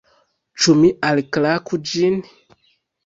Ĉu mi alklaku ĝin?